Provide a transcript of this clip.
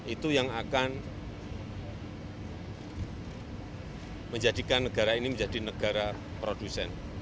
itu yang akan menjadikan negara ini menjadi negara produsen